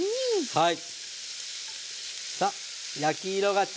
はい。